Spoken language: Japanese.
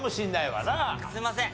すいません。